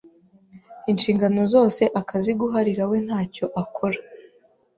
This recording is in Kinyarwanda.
Inshingano zose akaziguharira we ntacyo akora.